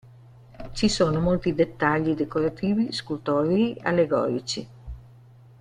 Ci sono molti dettagli decorativi scultorei allegorici.